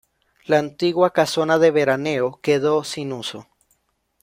La antigua casona de veraneo quedó sin uso.